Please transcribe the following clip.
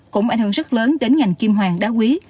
cũng ảnh hưởng rất lớn đến ngành kim hoàng đá quý